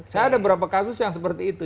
saya ada beberapa kasus yang seperti itu